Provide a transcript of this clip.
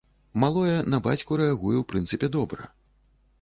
Малое на бацьку рэагуе ў прынцыпе добра.